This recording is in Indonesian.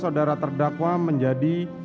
sudara terdakwa menjadi